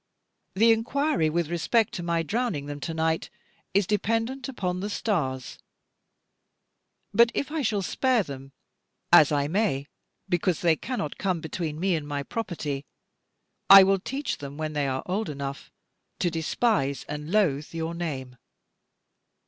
The inquiry with respect to my drowning them to night is dependent upon the stars. But if I shall spare them, as I may, because they cannot come between me and my property, I will teach them, when they are old enough, to despise and loathe your name.